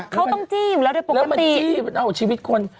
เขาต้องจีบแล้วโดยปกติแล้วมันจีบเอาชีวิตคน